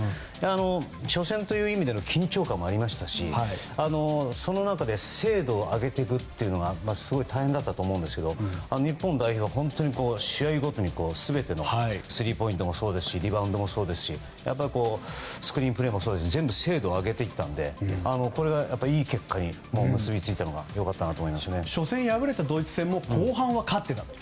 初戦という意味で緊張感もありましたしその中で精度を上げていくというのはすごい大変だったと思うんですが日本代表は試合ごとに全てのスリーポイントもそうですしリバウンドもそうですしスクリーンプレーも精度を上げていったのでこれがいい結果に結びついたのが初戦敗れたドイツ戦も後半は勝っていたと。